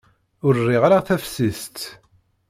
Ur riɣ ara taftist.